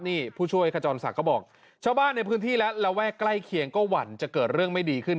นี่ผู้ช่วยขจรศักดิ์ก็บอกชาวบ้านในพื้นที่และระแวกใกล้เคียงก็หวั่นจะเกิดเรื่องไม่ดีขึ้น